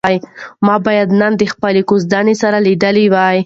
ما باید نن د خپلې کوژدنې سره لیدلي وای.